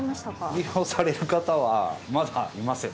利用される方はまだいません。